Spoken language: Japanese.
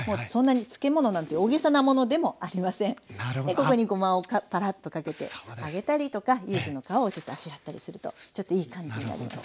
ここにごまをパラッとかけてあげたりとかゆずの皮をちょっとあしらったりするとちょっといい感じになります。